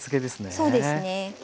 そうですね。